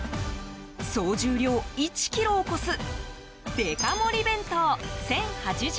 総重量１ｋｇを超すデカ盛り弁当、１０８０円。